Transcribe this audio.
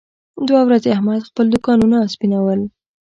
دوه ورځې احمد خپل دوکانونه سپینول.